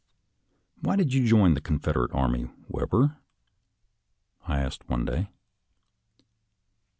" Why did you join the Confederate Army, Webber? " I asked one day.